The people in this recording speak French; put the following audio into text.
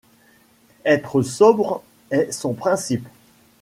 Être sobre est son principe